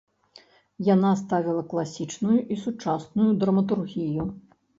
Яна ставіла класічную і сучасную драматургію.